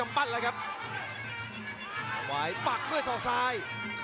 อาศัยรุกขยันเลยครับวางแข้งซ้าย